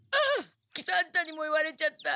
喜三太にも言われちゃった。